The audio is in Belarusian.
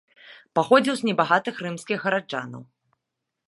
Паходзіў з небагатых рымскіх гараджанаў.